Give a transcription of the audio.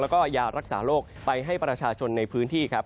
แล้วก็ยารักษาโรคไปให้ประชาชนในพื้นที่ครับ